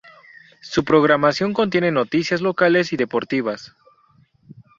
Su programación contiene noticias locales y deportivas.